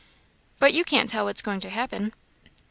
"But you can't tell what's going to happen?"